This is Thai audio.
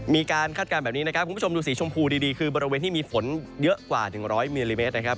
คาดการณ์แบบนี้นะครับคุณผู้ชมดูสีชมพูดีคือบริเวณที่มีฝนเยอะกว่า๑๐๐มิลลิเมตรนะครับ